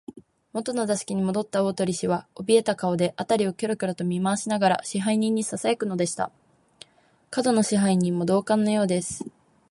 もとの座敷にもどった大鳥氏は、おびえた顔で、あたりをキョロキョロと見まわしながら、支配人にささやくのでした。門野支配人も同感のようです。